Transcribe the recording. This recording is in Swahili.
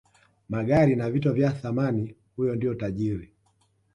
magari na vito vya thamani huyo ndio tajiri